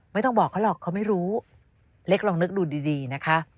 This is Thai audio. ไม่ต้องบอกเขาหรอกเขาไม่รู้เล็กลองนึกดูดีนะคะ